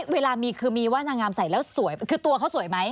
เวลามีคือมีว่านางงามใส่แล้วสวยคือตัวเขาสวยไหม